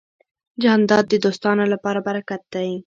جانداد د دوستانو لپاره برکت دی.